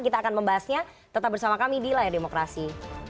kita akan membahasnya tetap bersama kami di layar demokrasi